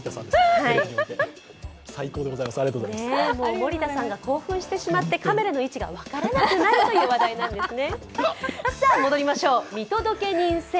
森田さんが興奮してしまって、カメラの位置が分からなくなるという話題なんですね。